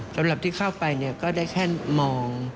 สำหรับที่เข้าไปก็ได้แค่มอง